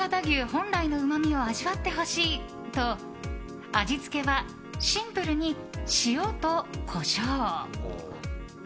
本来のうまみを味わってほしいと味付けはシンプルに塩とコショウ。